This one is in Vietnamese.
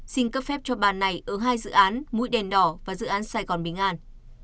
xin cấp phép cho bàn này ở hai dự án mũi đèn đỏ và dự án sài gòn bình an